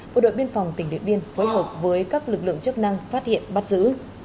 bộ đội biên phòng tỉnh điện biên phối hợp với các lực lượng chức năng phát hiện bắt giữ